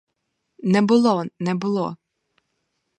Не було, не було.